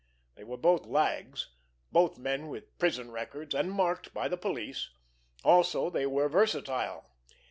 They were both lags, both men with prison records, and marked by the police. Also they were versatile.